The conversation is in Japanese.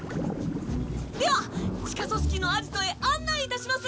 では地下組織のアジトへ案内いたします。